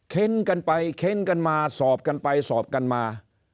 เค้นกันไปเค้นกันมาสอบกันไปสอบกันมา